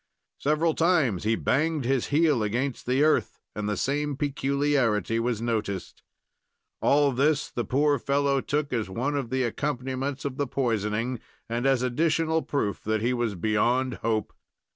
Several times he banged his heel against the earth, and the same peculiarity was noticed. All this the poor fellow took as one of the accompaniments of the poisoning, and as additional proof that he was beyond hope.